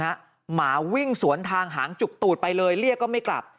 หมาวิ่งสวนทางหางจุกตูดไปเลยเรียกก็ไม่กลับ